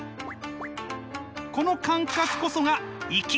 この感覚こそがいき。